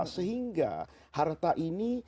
sehingga harta ini